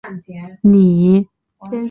你才十二岁，你懂什么炒股？